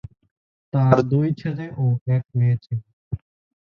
তাঁর দুই ছেলে ও এক মেয়ে ছিল।